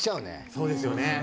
そうですよね。